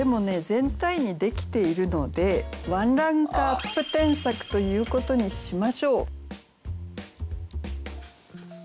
全体にできているのでワンランクアップ添削ということにしましょう。